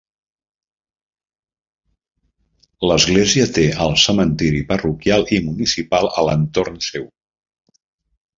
L'església té el cementiri parroquial i municipal a l'entorn seu.